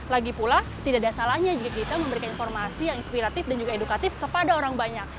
lagipula tidak ada salahnya jika kita memberikan informasi yang inspiratif dan juga edukatif kepada orang banyak